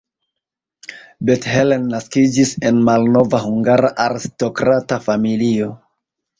Bethlen naskiĝis en malnova hungara aristokrata familio.